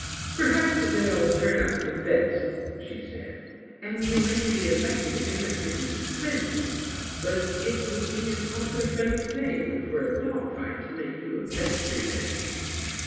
"Perhaps it may all turn out for the best," she said, "and you may be elected, and that would be splendid. But it would be an awfully funny thing for a dog fight to make you a vestry man."